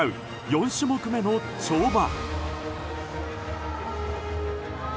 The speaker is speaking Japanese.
４種目めの跳馬。